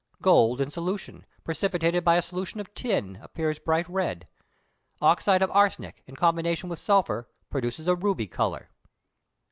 Gold in solution, precipitated by a solution of tin, appears bright red: oxyde of arsenic, in combination, with sulphur, produces a ruby colour.